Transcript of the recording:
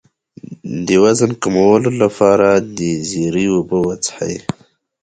د وزن د کمولو لپاره د زیرې اوبه وڅښئ